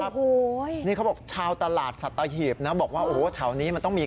โอ้โหนี่เขาบอกชาวตลาดสัตหีบนะบอกว่าโอ้โหแถวนี้มันต้องมี